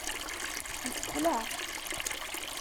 Yessexlaɛ!